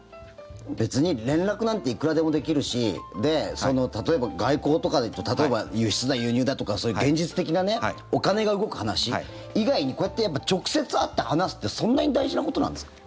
別に連絡なんていくらでもできるし例えば外交とか例えば輸出だとか輸入だとかそういう現実的なお金が動く話以外にこうやって直接会って話すってそんな大事なことなんですか？